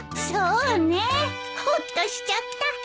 そうねほっとしちゃった。